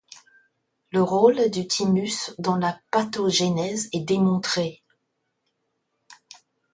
Le rôle du thymus dans la pathogénèse est démontré.